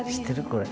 これ。